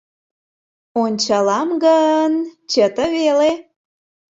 Ончалам гын – чыте веле.